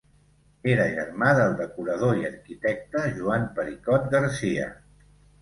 Era germà del decorador i arquitecte Joan Pericot Garcia.